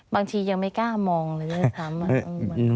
บางทียังไม่กล้ามองเลยนะครับ